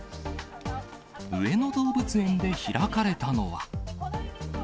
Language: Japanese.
上野動物園で開かれたのは。